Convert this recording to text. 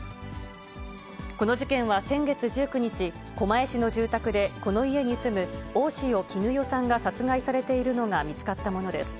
この事件は先月１９日、狛江市の住宅で、この家に住む大塩衣与さんが殺害されているのが見つかったものです。